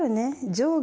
上下